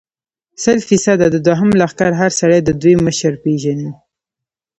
سل فیصده، د دوهم لښکر هر سړی د دوی مشره پېژني.